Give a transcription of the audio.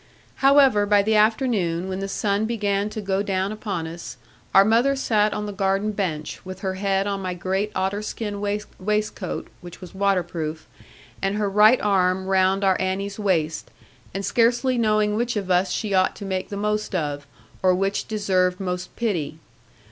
However, by the afternoon, when the sun began to go down upon us, our mother sat on the garden bench, with her head on my great otter skin waistcoat (which was waterproof), and her right arm round our Annie's waist, and scarcely knowing which of us she ought to make the most of, or which deserved most pity.